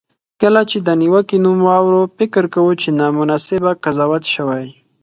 کله چې د نیوکې نوم واورو، فکر کوو چې نامناسبه قضاوت شوی.